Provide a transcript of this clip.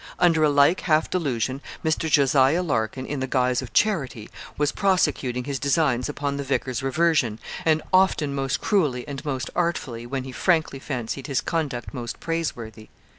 Under a like half delusion, Mr. Jos. Larkin, in the guise of charity, was prosecuting his designs upon the vicar's reversion, and often most cruelly and most artfully, when he frankly fancied his conduct most praiseworthy.